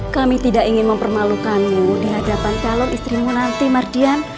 kami tidak ingin mempermalukanmu di hadapan calon istrimu nanti mardian